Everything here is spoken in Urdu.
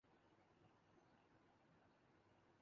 ہاتھ کنگن کو آرسی کیا اور پڑھے لکھے کو فارسی کیا